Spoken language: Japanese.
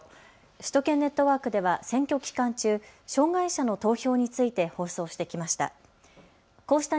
首都圏ネットワークでは選挙期間中、障害者の投票について放送してきました。